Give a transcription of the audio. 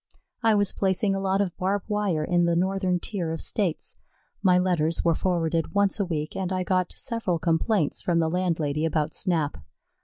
I was placing a lot of barb wire in the northern tier of States. My letters were forwarded once a week, and I got several complaints from the landlady about Snap.